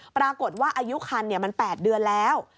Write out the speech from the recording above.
ปรากฏว่าอายุคันมัน๘เดือนแล้ว